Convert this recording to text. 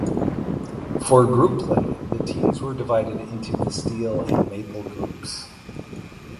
For group play the teams were divided into the Steel and Maple groups.